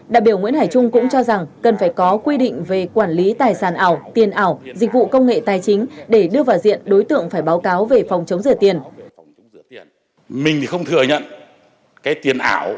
đại biểu nguyễn hải trung cũng cho rằng cần phải có quy định về quản lý tài sản ảo tiền ảo dịch vụ công nghệ tài chính để đưa vào diện đối tượng phải báo cáo về phòng chống rửa tiền